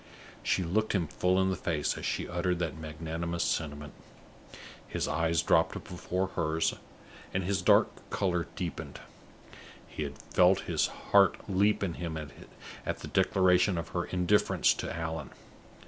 She looked him full in the face as she uttered that magnanimous sentiment. His eyes dropped before hers, and his dark color deepened. He had felt his heart leap in him at the declaration of her indifference to Allan.